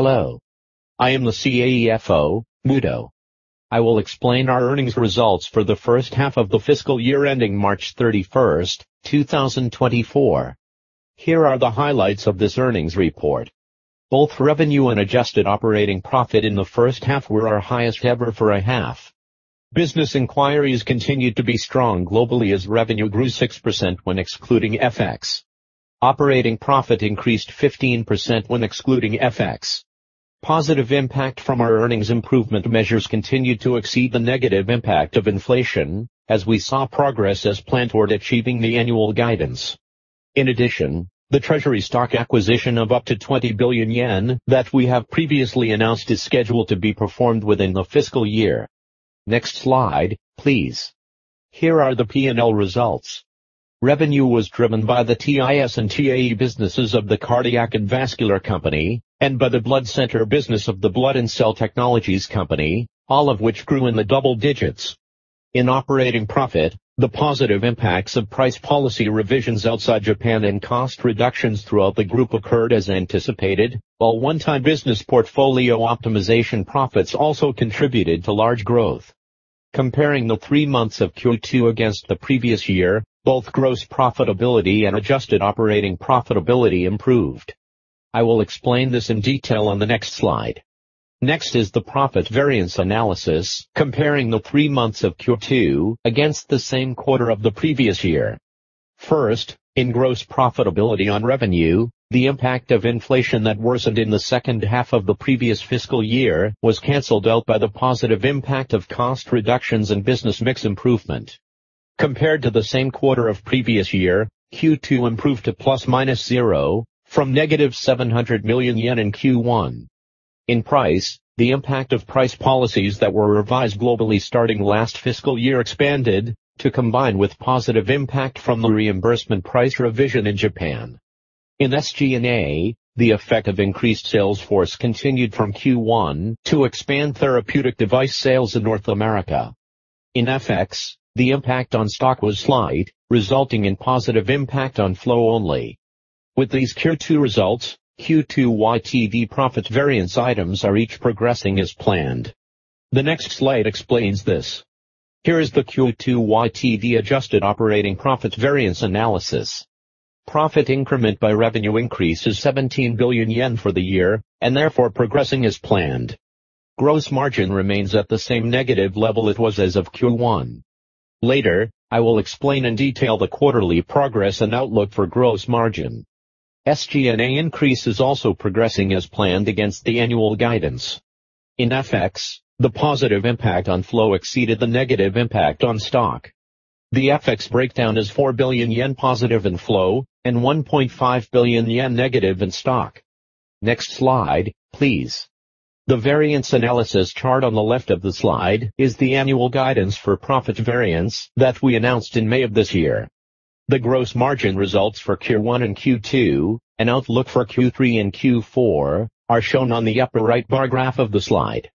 Hello. I am the CAFO, Muto. I will explain our earnings results for the first half of the fiscal year ending March 31st, 2024. Here are the highlights of this earnings report. Both revenue and adjusted operating profit in the first half were our highest ever for a half. Business inquiries continued to be strong globally as revenue grew 6% when excluding FX. Operating profit increased 15% when excluding FX. Positive impact from our earnings improvement measures continued to exceed the negative impact of inflation, as we saw progress as planned toward achieving the annual guidance. In addition, the treasury stock acquisition of up to 20 billion yen that we have previously announced is scheduled to be performed within the fiscal year. Next slide, please. Here are the P&L results. Revenue was driven by the TIS and TAE businesses of the Cardiac and Vascular Company and by the Blood Center business of the Blood and Cell Technologies Company, all of which grew in the double digits. In operating profit, the positive impacts of price policy revisions outside Japan and cost reductions throughout the group occurred as anticipated, while one-time business portfolio optimization profits also contributed to large growth. Comparing the three months of Q2 against the previous year, both gross profitability and adjusted operating profitability improved. I will explain this in detail on the next slide. Next is the profit variance analysis, comparing the three months of Q2 against the same quarter of the previous year. First, in gross profitability on revenue, the impact of inflation that worsened in the second half of the previous fiscal year was canceled out by the positive impact of cost reductions and business mix improvement. Compared to the same quarter of previous year, Q2 improved to ±0 from -700 million yen in Q1. In price, the impact of price policies that were revised globally starting last fiscal year expanded to combine with positive impact from the reimbursement price revision in Japan. In SG&A, the effect of increased sales force continued from Q1 to expand therapeutic device sales in North America. In FX, the impact on stock was slight, resulting in positive impact on flow only. With these Q2 results, Q2 YTD profit variance items are each progressing as planned. The next slide explains this. Here is the Q2 YTD adjusted operating profit variance analysis. Profit increment by revenue increase is 17 billion yen for the year and therefore progressing as planned. Gross margin remains at the same negative level it was as of Q1. Later, I will explain in detail the quarterly progress and outlook for gross margin. SG&A increase is also progressing as planned against the annual guidance. In FX, the positive impact on flow exceeded the negative impact on stock. The FX breakdown is 4 billion yen positive in flow and 1.5 billion yen negative in stock. Next slide, please. The variance analysis chart on the left of the slide is the annual guidance for profit variance that we announced in May of this year. The gross margin results for Q1 and Q2 and outlook for Q3 and Q4 are shown on the upper right bar graph of the slide.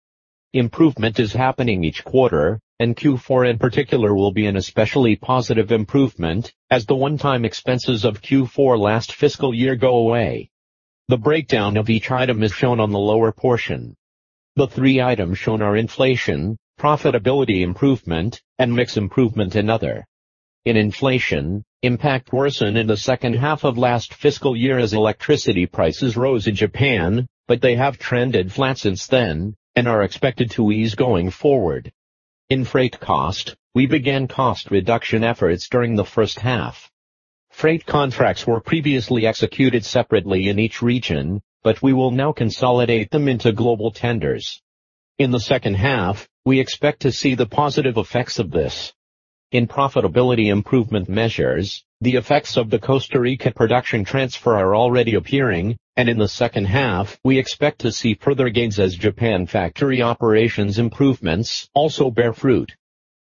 Improvement is happening each quarter, and Q4 in particular will be an especially positive improvement as the one-time expenses of Q4 last fiscal year go away. The breakdown of each item is shown on the lower portion. The three items shown are inflation, profitability improvement, and mix improvement and other. In inflation, impact worsened in the second half of last fiscal year as electricity prices rose in Japan, but they have trended flat since then and are expected to ease going forward. In freight cost, we began cost reduction efforts during the first half. Freight contracts were previously executed separately in each region, but we will now consolidate them into global tenders. In the second half, we expect to see the positive effects of this. In profitability improvement measures, the effects of the Costa Rica production transfer are already appearing, and in the second half, we expect to see further gains as Japan factory operations improvements also bear fruit.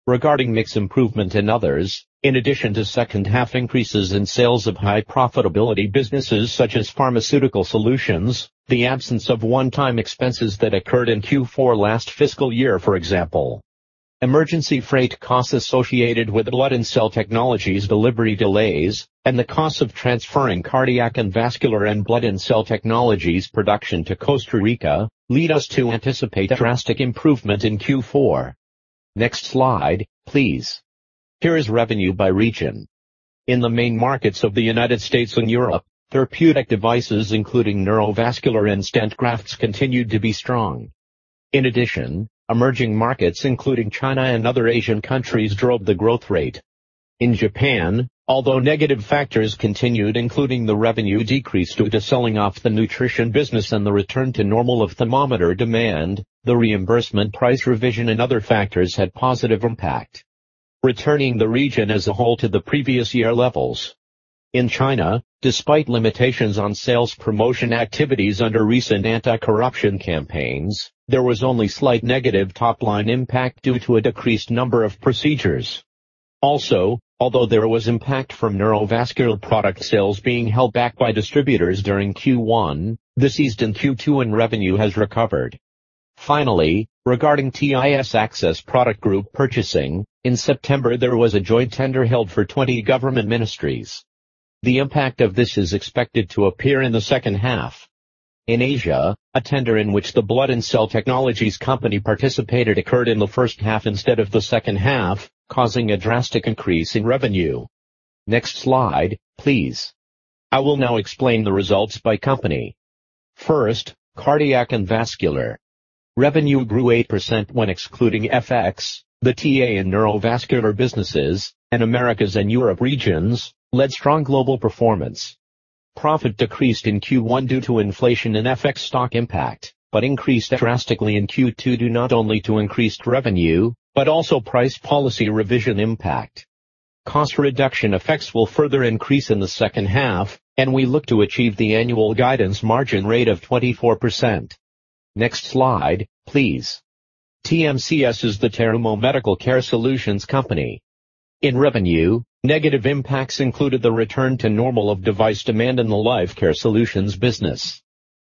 Regarding mix improvement in others, in addition to second-half increases in sales of high profitability businesses such as Pharmaceutical solutions, the absence of one-time expenses that occurred in Q4 last fiscal year, for example, emergency freight costs associated with blood and cell technologies delivery delays, and the costs of transferring Cardiac and Vascular and Blood and Cell Technologies production to Costa Rica lead us to anticipate a drastic improvement in Q4. Next slide, please. Here is revenue by region. In the main markets of the United States and Europe, therapeutic devices, including neurovascular and stent grafts, continued to be strong. In addition, emerging markets, including China and other Asian countries, drove the growth rate. In Japan, although negative factors continued, including the revenue decrease due to selling off the nutrition business and the return to normal of thermometer demand, the reimbursement price revision and other factors had positive impact, returning the region as a whole to the previous year levels. In China, despite limitations on sales promotion activities under recent anti-corruption campaigns, there was only slight negative top-line impact due to a decreased number of procedures. Also, although there was impact from neurovascular product sales being held back by distributors during Q1, this eased in Q2, and revenue has recovered. Finally, regarding TIS Access product group purchasing, in September, there was a joint tender held for 20 government ministries. The impact of this is expected to appear in the second half. In Asia, a tender in which the Blood and Cell Technologies Company participated occurred in the first half instead of the second half, causing a drastic increase in revenue. Next slide, please. I will now explain the results by company. First, Cardiac and Vascular. Revenue grew 8% when excluding FX. The TA and neurovascular businesses in Americas and Europe regions led strong global performance. Profit decreased in Q1 due to inflation and FX stock impact, but increased drastically in Q2 due not only to increased revenue, but also price policy revision impact. Cost reduction effects will further increase in the second half, and we look to achieve the annual guidance margin rate of 24%. Next slide, please. TMCS is the Terumo Medical Care Solutions Company. In revenue, negative impacts included the return to normal of device demand in the Life Care Solutions business.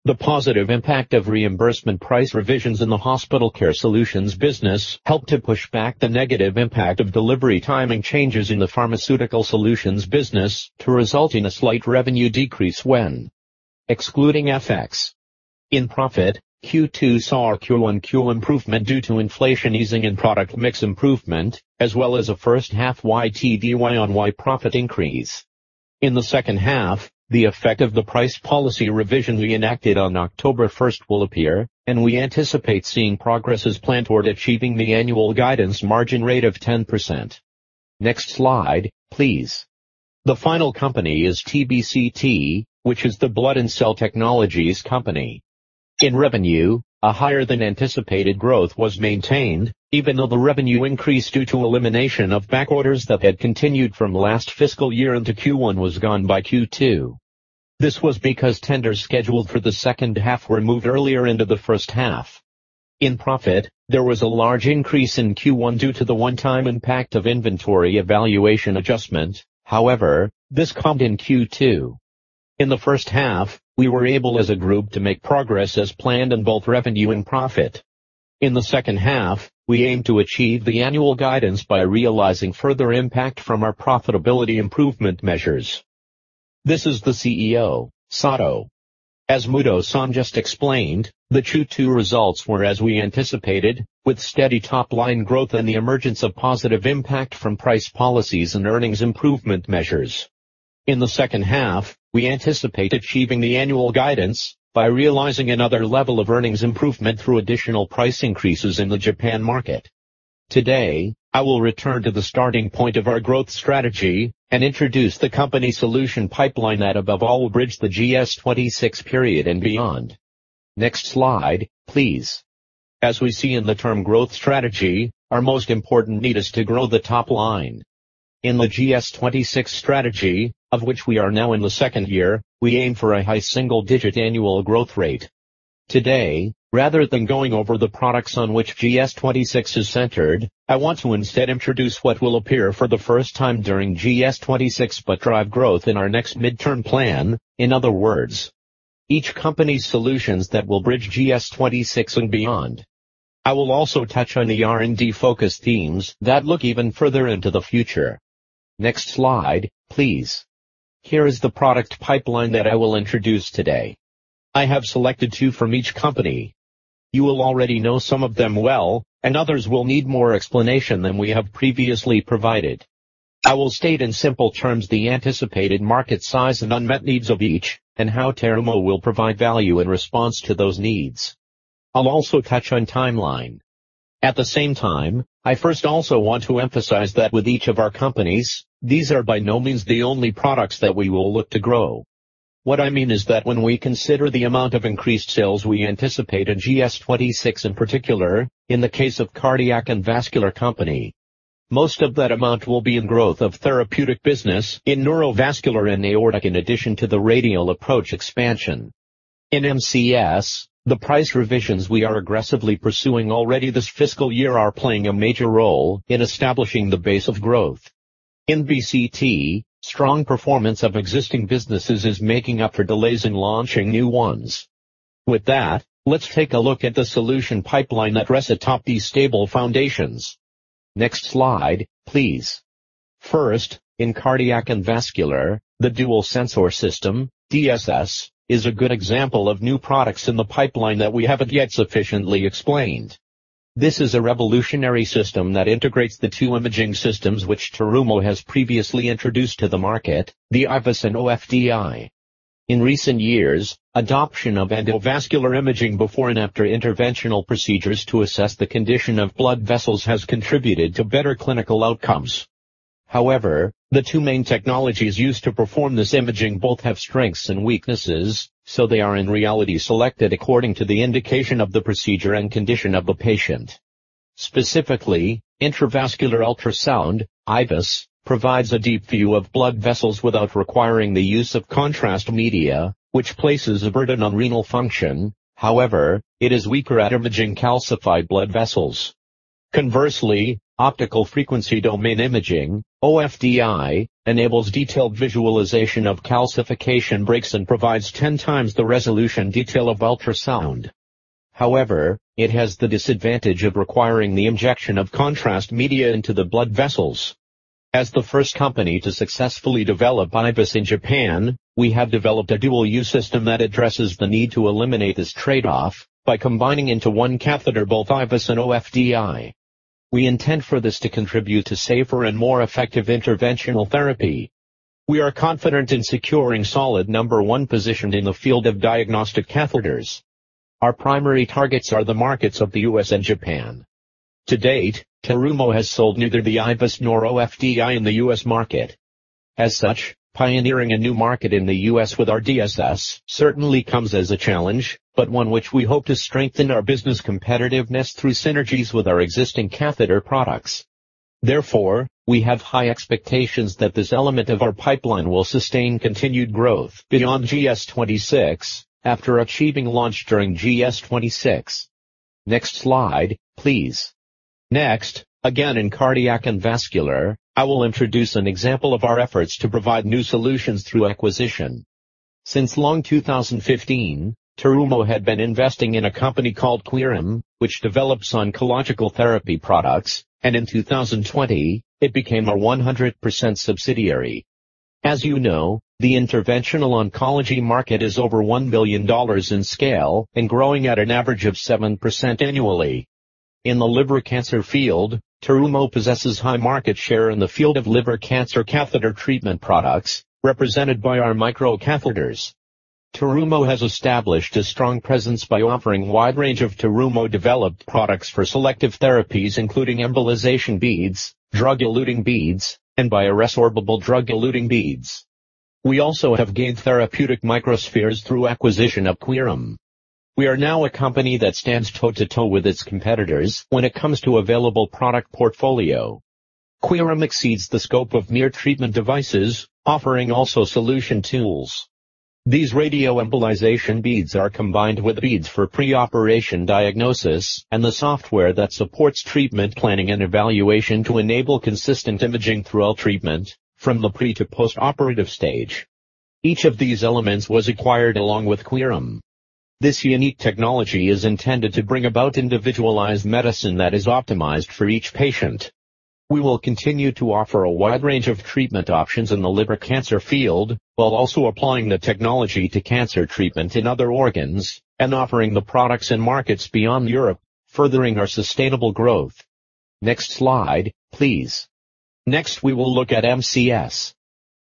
The positive impact of reimbursement price revisions in the Hospital Care Solutions business helped to push back the negative impact of delivery timing changes in the Pharmaceutical Solutions business to result in a slight revenue decrease when excluding FX. In profit, Q2 saw a Q-on-Q improvement due to inflation easing and product mix improvement, as well as a first half YTD Y-on-Y profit increase. In the second half, the effect of the price policy revision we enacted on October 1st will appear, and we anticipate seeing progress as planned toward achieving the annual guidance margin rate of 10%. Next slide, please. The final company is Terumo BCT, which is the Blood and Cell Technologies Company. In revenue, a higher-than-anticipated growth was maintained, even though the revenue increase due to elimination of back orders that had continued from last fiscal year into Q1 was gone by Q2. This was because tenders scheduled for the second half were moved earlier into the first half. In profit, there was a large increase in Q1 due to the one-time impact of inventory valuation adjustment. However, this calmed in Q2. In the first half, we were able as a group to make progress as planned in both revenue and profit. In the second half, we aim to achieve the annual guidance by realizing further impact from our profitability improvement measures. This is the CEO, Sato. As Muto-san just explained, the Q2 results were as we anticipated, with steady top-line growth and the emergence of positive impact from price policies and earnings improvement measures. In the second half, we anticipate achieving the annual guidance by realizing another level of earnings improvement through additional price increases in the Japan market. Today, I will return to the starting point of our growth strategy and introduce the company solution pipeline that above all will bridge the GS26 period and beyond. Next slide, please. As we see in the term growth strategy, our most important need is to grow the top line. In the GS26 strategy, of which we are now in the second year, we aim for a high single-digit annual growth rate. Today, rather than going over the products on which GS26 is centered, I want to instead introduce what will appear for the first time during GS26, but drive growth in our next midterm plan. In other words, each company's solutions that will bridge GS26 and beyond. I will also touch on the R&D focus themes that look even further into the future. Next slide, please. Here is the product pipeline that I will introduce today. I have selected two from each company. You will already know some of them well, and others will need more explanation than we have previously provided. I will state in simple terms the anticipated market size and unmet needs of each, and how Terumo will provide value in response to those needs. I'll also touch on timeline. At the same time, I first also want to emphasize that with each of our companies, these are by no means the only products that we will look to grow. What I mean is that when we consider the amount of increased sales we anticipate in GS26, in particular, in the case of Cardiac and Vascular Company, most of that amount will be in growth of therapeutic business, in neurovascular and aortic, in addition to the radial approach expansion. In MCS, the price revisions we are aggressively pursuing already this fiscal year are playing a major role in establishing the base of growth. In BCT, strong performance of existing businesses is making up for delays in launching new ones. With that, let's take a look at the solution pipeline that rests atop these stable foundations. Next slide, please. First, in Cardiac and Vascular, the Dual Sensor System, DSS, is a good example of new products in the pipeline that we haven't yet sufficiently explained. This is a revolutionary system that integrates the two imaging systems which Terumo has previously introduced to the market, the IVUS and OFDI. In recent years, adoption of endovascular imaging before and after interventional procedures to assess the condition of blood vessels has contributed to better clinical outcomes. However, the two main technologies used to perform this imaging both have strengths and weaknesses, so they are in reality selected according to the indication of the procedure and condition of the patient. Specifically, intravascular ultrasound, IVUS, provides a deep view of blood vessels without requiring the use of contrast media, which places a burden on renal function. However, it is weaker at imaging calcified blood vessels... Conversely, optical frequency domain imaging, OFDI, enables detailed visualization of calcification breaks and provides ten times the resolution detail of ultrasound. However, it has the disadvantage of requiring the injection of contrast media into the blood vessels. As the first company to successfully develop IVUS in Japan, we have developed a dual-use system that addresses the need to eliminate this trade-off by combining into one catheter both IVUS and OFDI. We intend for this to contribute to safer and more effective interventional therapy. We are confident in securing solid number one position in the field of diagnostic catheters. Our primary targets are the markets of the U.S. and Japan. To date, Terumo has sold neither the IVUS nor OFDI in the U.S. market. As such, pioneering a new market in the U.S. with our DSS certainly comes as a challenge, but one which we hope to strengthen our business competitiveness through synergies with our existing catheter products. Therefore, we have high expectations that this element of our pipeline will sustain continued growth beyond GS26, after achieving launch during GS26. Next slide, please. Next, again, in cardiac and vascular, I will introduce an example of our efforts to provide new solutions through acquisition. Since long 2015, Terumo had been investing in a company called Quirem, which develops oncological therapy products, and in 2020, it became our 100% subsidiary. As you know, the interventional oncology market is over $1 billion in scale and growing at an average of 7% annually. In the liver cancer field, Terumo possesses high market share in the field of liver cancer catheter treatment products, represented by our microcatheters. Terumo has established a strong presence by offering wide range of Terumo-developed products for selective therapies, including embolization beads, drug-eluting beads, and bioresorbable drug-eluting beads. We also have gained therapeutic microspheres through acquisition of Quirem. We are now a company that stands toe-to-toe with its competitors when it comes to available product portfolio. Quirem exceeds the scope of mere treatment devices, offering also solution tools. These radioembolization beads are combined with beads for pre-operation diagnosis and the software that supports treatment planning and evaluation to enable consistent imaging through all treatment from the pre- to post-operative stage. Each of these elements was acquired along with Quirem. This unique technology is intended to bring about individualized medicine that is optimized for each patient. We will continue to offer a wide range of treatment options in the liver cancer field, while also applying the technology to cancer treatment in other organs and offering the products in markets beyond Europe, furthering our sustainable growth. Next slide, please. Next, we will look at MCS.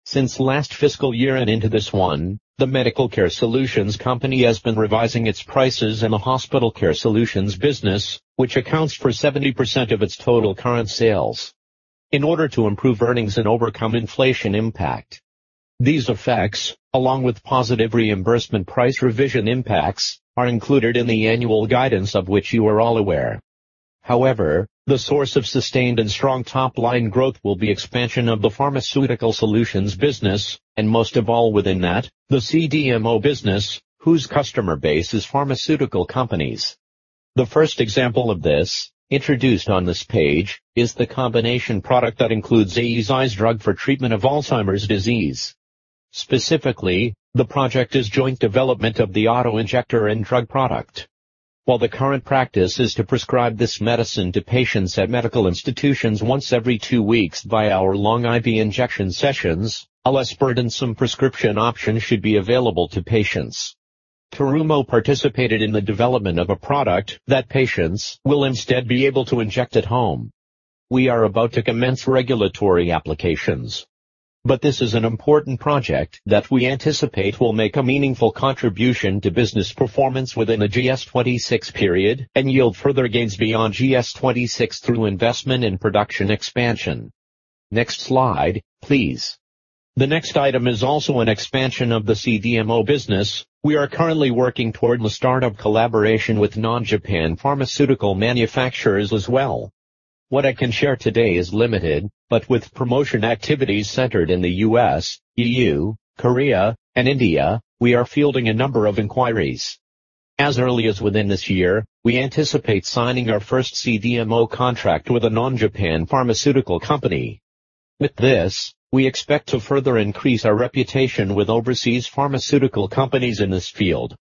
Since last fiscal year and into this one, the Medical Care Solutions company has been revising its prices in the hospital care solutions business, which accounts for 70% of its total current sales in order to improve earnings and overcome inflation impact. These effects, along with positive reimbursement price revision impacts, are included in the annual guidance of which you are all aware. However, the source of sustained and strong top-line growth will be expansion of the Pharmaceutical solutions business, and most of all within that, the CDMO business, whose customer base is pharmaceutical companies. The first example of this, introduced on this page, is the combination product that includes Eisai's drug for treatment of Alzheimer's disease. Specifically, the project is joint development of the auto-injector and drug product. While the current practice is to prescribe this medicine to patients at medical institutions once every two weeks by hour-long IV injection sessions, a less burdensome prescription option should be available to patients. Terumo participated in the development of a product that patients will instead be able to inject at home. We are about to commence regulatory applications, but this is an important project that we anticipate will make a meaningful contribution to business performance within the GS26 period and yield further gains beyond GS26 through investment in production expansion. Next slide, please. The next item is also an expansion of the CDMO business. We are currently working toward the start of collaboration with non-Japan pharmaceutical manufacturers as well. What I can share today is limited, but with promotion activities centered in the U.S., EU, Korea, and India, we are fielding a number of inquiries. As early as within this year, we anticipate signing our first CDMO contract with a non-Japan pharmaceutical company. With this, we expect to further increase our reputation with overseas pharmaceutical companies in this field.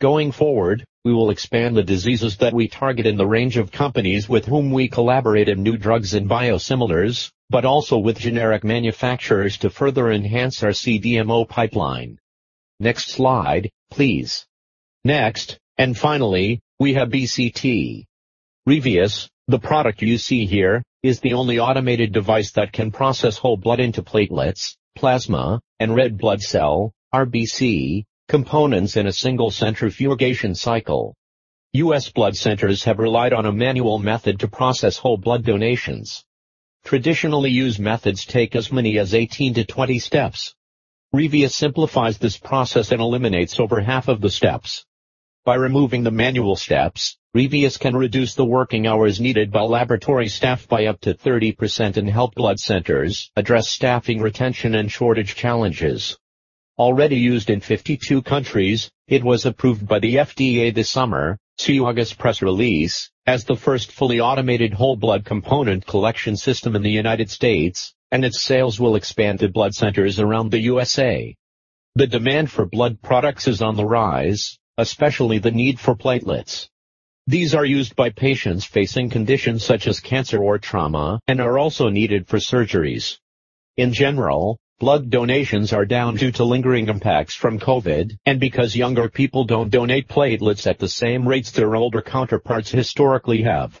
Going forward, we will expand the diseases that we target and the range of companies with whom we collaborate in new drugs and biosimilars, but also with generic manufacturers to further enhance our CDMO pipeline. Next slide, please. Next, and finally, we have BCT. REVEOS, the product you see here, is the only automated device that can process whole blood into platelets, plasma, and red blood cell, RBC, components in a single centrifugation cycle. U.S. blood centers have relied on a manual method to process whole blood donations. Traditionally used methods take as many as 18-20 steps. REVEOS simplifies this process and eliminates over half of the steps. By removing the manual steps, REVEOS can reduce the working hours needed by laboratory staff by up to 30% and help blood centers address staffing, retention, and shortage challenges. Already used in 52 countries, it was approved by the FDA this summer, see August press release, as the first fully automated whole blood component collection system in the United States, and its sales will expand to blood centers around the USA. The demand for blood products is on the rise, especially the need for platelets. These are used by patients facing conditions such as cancer or trauma, and are also needed for surgeries. In general, blood donations are down due to lingering impacts from COVID, and because younger people don't donate platelets at the same rates their older counterparts historically have.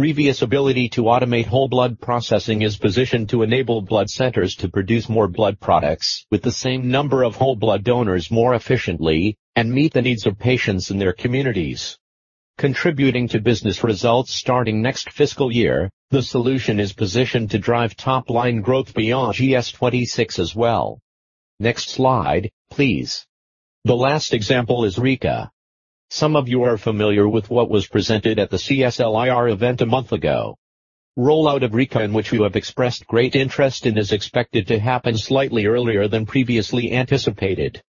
REVEOS ability to automate whole blood processing is positioned to enable blood centers to produce more blood products with the same number of whole blood donors more efficiently and meet the needs of patients in their communities. Contributing to business results starting next fiscal year, the solution is positioned to drive top-line growth beyond GS26 as well. Next slide, please. The last example is Rika. Some of you are familiar with what was presented at the CSL IR event a month ago. Rollout of Rika, in which you have expressed great interest in, is expected to happen slightly earlier than previously anticipated.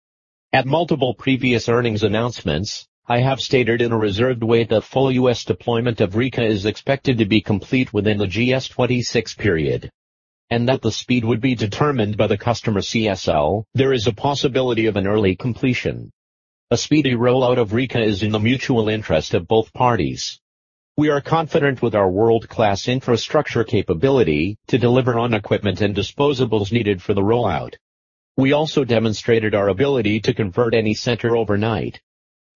At multiple previous earnings announcements, I have stated in a reserved way that full U.S. deployment of Rika is expected to be complete within the GS26 period, and that the speed would be determined by the customer, CSL. There is a possibility of an early completion. A speedy rollout of Rika is in the mutual interest of both parties. We are confident with our world-class infrastructure capability to deliver on equipment and disposables needed for the rollout. We also demonstrated our ability to convert any center overnight.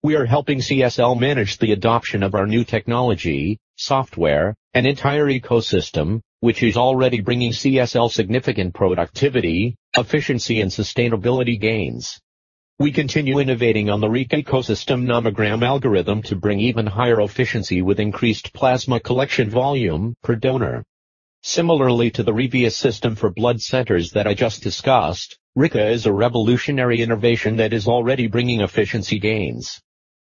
We are helping CSL manage the adoption of our new technology, software, and entire ecosystem, which is already bringing CSL significant productivity, efficiency, and sustainability gains. We continue innovating on the Rika ecosystem nomogram algorithm to bring even higher efficiency with increased plasma collection volume per donor. Similarly to the REVEOS system for blood centers that I just discussed, Rika is a revolutionary innovation that is already bringing efficiency gains,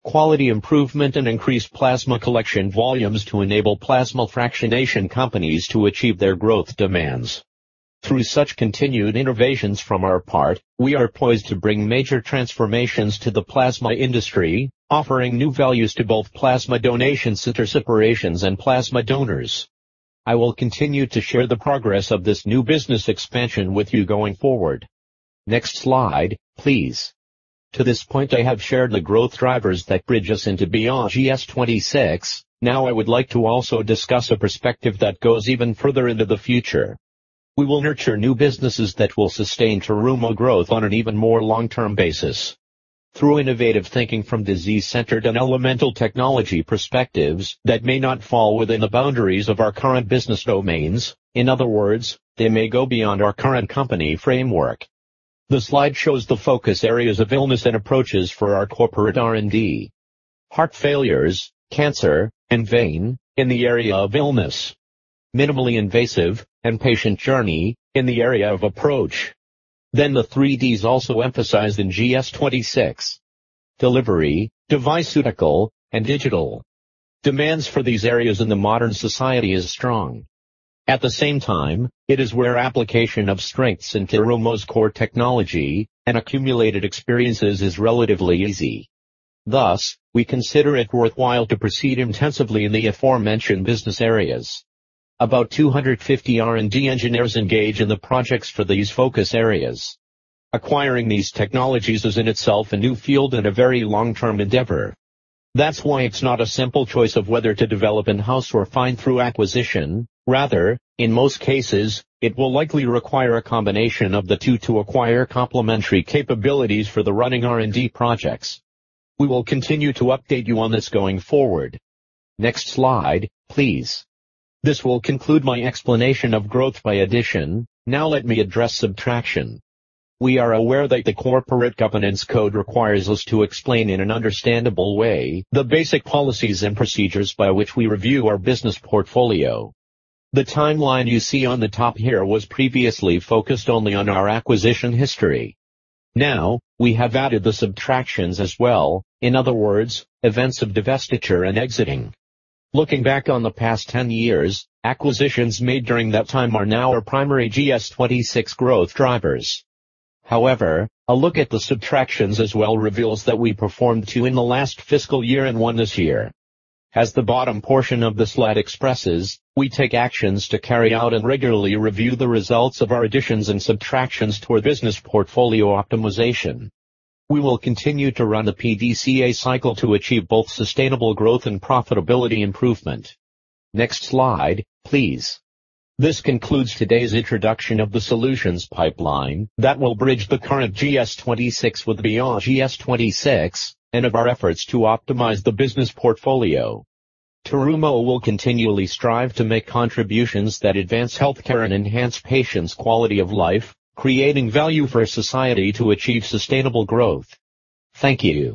quality improvement, and increased plasma collection volumes to enable plasma fractionation companies to achieve their growth demands. Through such continued innovations from our part, we are poised to bring major transformations to the plasma industry, offering new values to both plasma donation center separations and plasma donors. I will continue to share the progress of this new business expansion with you going forward. Next slide, please. To this point, I have shared the growth drivers that bridge us into beyond GS26. Now I would like to also discuss a perspective that goes even further into the future. We will nurture new businesses that will sustain Terumo growth on an even more long-term basis. Through innovative thinking from disease-centered and elemental technology perspectives that may not fall within the boundaries of our current business domains. In other words, they may go beyond our current company framework. The slide shows the focus areas of illness and approaches for our corporate R&D. Heart failures, cancer, and vein in the area of illness. Minimally invasive and patient journey in the area of approach. Then the three Ds also emphasized in GS26: delivery, device, and digital. Demands for these areas in the modern society is strong. At the same time, it is where application of strengths in Terumo's core technology and accumulated experiences is relatively easy. Thus, we consider it worthwhile to proceed intensively in the aforementioned business areas. About 250 R&D engineers engage in the projects for these focus areas. Acquiring these technologies is, in itself, a new field and a very long-term endeavor. That's why it's not a simple choice of whether to develop in-house or find through acquisition. Rather, in most cases, it will likely require a combination of the two to acquire complementary capabilities for the running R&D projects. We will continue to update you on this going forward. Next slide, please. This will conclude my explanation of growth by addition. Now let me address subtraction. We are aware that the corporate governance code requires us to explain, in an understandable way, the basic policies and procedures by which we review our business portfolio. The timeline you see on the top here was previously focused only on our acquisition history. Now, we have added the subtractions as well. In other words, events of divestiture and exiting. Looking back on the past 10 years, acquisitions made during that time are now our primary GS26 growth drivers. However, a look at the subtractions as well reveals that we performed two in the last fiscal year and one this year. As the bottom portion of the slide expresses, we take actions to carry out and regularly review the results of our additions and subtractions toward business portfolio optimization. We will continue to run the PDCA cycle to achieve both sustainable growth and profitability improvement. Next slide, please. This concludes today's introduction of the solutions pipeline that will bridge the current GS26 with beyond GS26 and of our efforts to optimize the business portfolio. Terumo will continually strive to make contributions that advance healthcare and enhance patients' quality of life, creating value for society to achieve sustainable growth. Thank you!